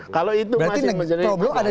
kalau itu masih menjadi berarti problem ada